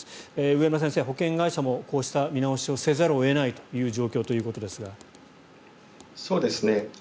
植村先生、保険会社もこうした見直しをせざるを得ない状況ということですが。